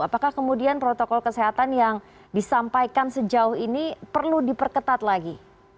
apakah kemudian protokol kesehatan yang disampaikan sejauh ini perlu diperketat lagi